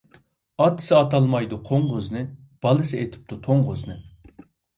ئاتىسى ئاتالمايدۇ قوڭغۇزنى، بالىسى ئېتىپتۇ توڭگۇزنى.